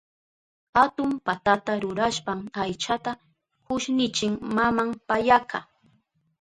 Atun patata rurashpan aychata kushnichin maman payaka.